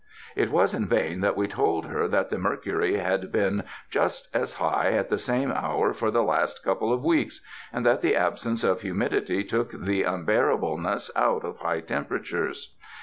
It was in vain that we told her that the mercury had been just as high at the same hour for the last couple of weeks, and that the absence of humidity took the unbearableness out of high temperatures.